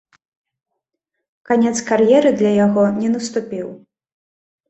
Канец кар'еры для яго не наступіў.